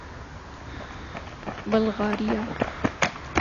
Bulgaria